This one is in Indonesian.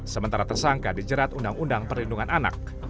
sementara tersangka dijerat undang undang perlindungan anak